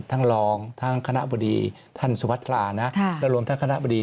ทั้งรองทั้งคณะบดีท่านสุวัสรานะและรวมทั้งคณะบดี